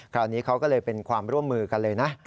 คราวนี้เขาก็เลยเป็นความร่วมมือกันเลยนะ